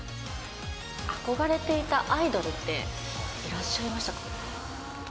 憧れていたアイドルって、いらっしゃいました？